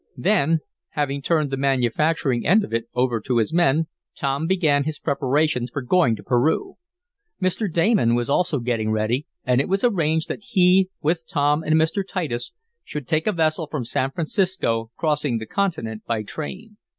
Then, having turned the manufacturing end of it over to his men, Tom began his preparations for going to Peru. Mr. Damon was also getting ready, and it was arranged that he, with Tom and Mr. Titus, should take a vessel from San Francisco, crossing the continent by train.